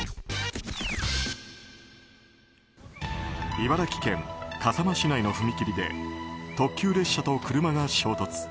茨城県笠間市内の踏切で特急列車と車が衝突。